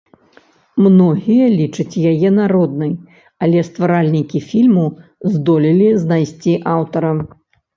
Многія лічаць яе народнай, але стваральнікі фільму здолелі знайсці аўтара.